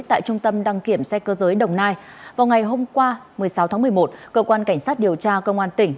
tại trung tâm đăng kiểm xe cơ giới đồng nai vào ngày hôm qua một mươi sáu tháng một mươi một cơ quan cảnh sát điều tra công an tỉnh